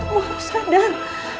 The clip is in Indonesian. kamu harus sadar